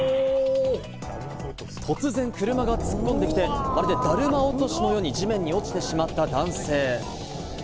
突然、車が突っ込んできて、まるでだるま落としのように地面に落ちてしまった男性。